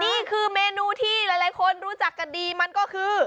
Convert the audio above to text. นี่คือเมนูที่หลายคนรู้จักกันดีมันก็คือ